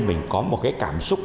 mình có một cái cảm xúc